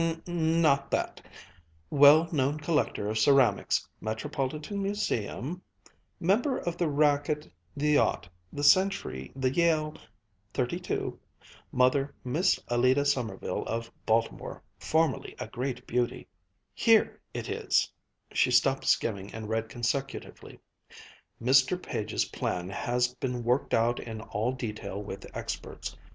m m m, not that ... 'well known collector of ceramics Metropolitan Museum member of the Racquet, the Yacht, the Century, the Yale thirty two Mother Miss Allida Sommerville of Baltimore, formerly a great beauty' here it is," she stopped skimming and read consecutively: "'Mr. Page's plan has been worked out in all detail with experts.